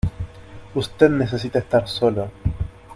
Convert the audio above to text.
usted necesita estar solo.